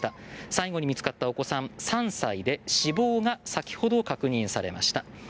最後に見つかったお子さん３歳で死亡が先ほど確認されました。